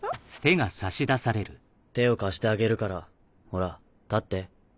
手を貸してあげるからほら立って。